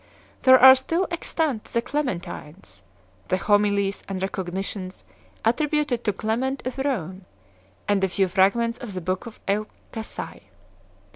There are still extant the "Clementines 3 " the Homilies and Recognitions attributed to Clement of Rome and a few fragments of the book of Elchasai.